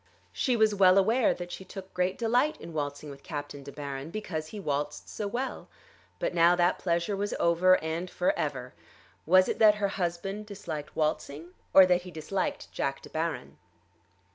She was well aware that she took great delight in waltzing with Captain De Baron because he waltzed so well. But now that pleasure was over, and for ever! Was it that her husband disliked waltzing, or that he disliked Jack De Baron?